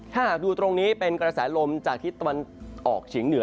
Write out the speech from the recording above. ถ้าหากดูตรงนี้เป็นกระแสลมจากทิศตะวันออกเฉียงเหนือ